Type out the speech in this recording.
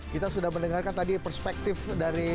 kita sudah mendengarkan tadi perspektif dari pak yose